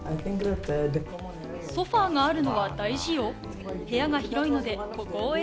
ソファがあるのは大事よ。